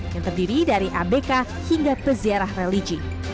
yang terdiri dari abk hingga peziarah religi